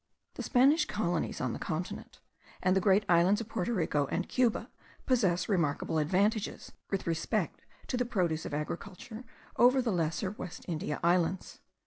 The Spanish colonies on the continent, and the great islands of Porto Rico and Cuba, possess remarkable advantages with respect to the produce of agriculture over the lesser West India islands.